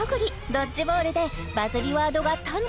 ドッジボールでバズりワードが誕生！